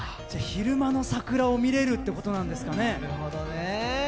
昼間の桜を見れるってことなんですね。